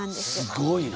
すごいな。